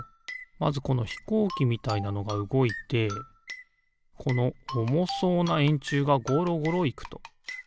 まずこのひこうきみたいなのがうごいてこのおもそうなえんちゅうがゴロゴロいくと。